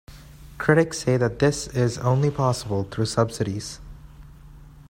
Critics say that this is only possible through subsidies.